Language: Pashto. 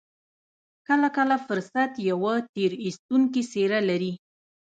کله کله فرصت يوه تېر ايستونکې څېره لري.